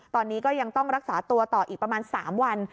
ตอนนี้ก็ยังต้องรักษาตัวต่ออีกประมาณ๓วัน